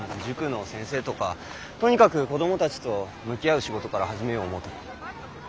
とにかく子供たちと向き合う仕事から始めよう思うとる。